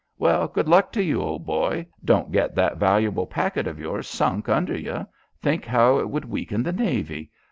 "Well, good luck to you, old boy! Don't get that valuable packet of yours sunk under you. Think how it would weaken the navy.